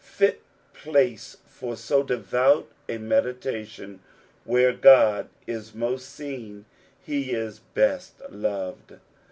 Fit place for so devout a meditation. Wbers God is mast seen he is beat loved.